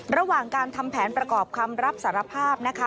ระหว่างการทำแผนประกอบคำรับสารภาพนะคะ